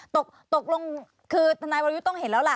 ตกลงคือทนายวรยุทธ์ต้องเห็นแล้วล่ะ